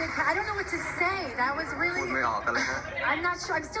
ขอบคุณครับผมไม่รู้ว่าจะได้บอกอะไร